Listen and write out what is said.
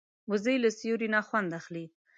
وزې له سیوري نه خوند اخلي